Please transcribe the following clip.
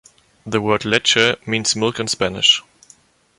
The word "Leche" means Milk in Spanish.